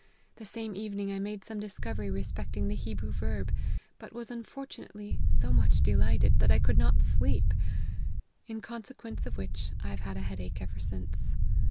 The same evening I made some discovery respecting the Hebrew verb, but was unfortunately so much de lighted, that I could not sleep ; in consequence of which, I have had a head ache ever since.